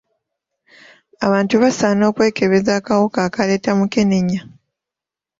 Abantu basaana okwekebeza akawuka akaleeta mukenenya.